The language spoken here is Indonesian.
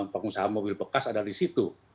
untuk pengusaha mobil bekas ada disitu